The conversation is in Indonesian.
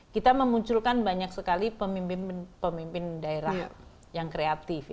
kita memunculkan banyak sekali pemimpin daerah yang kreatif